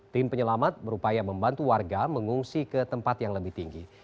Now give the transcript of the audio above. tim penyelamat berupaya membantu warga mengungsi ke tempat yang lebih tinggi